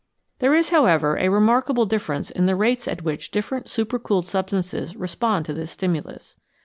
There is, however, a remarkable difference in the rates at which different supercooled substances respond to this stimulus.